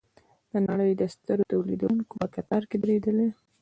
د نړۍ د سترو تولیدوونکو په کتار کې دریدلي.